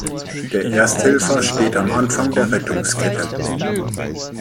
Der Ersthelfer steht am Anfang der Rettungskette.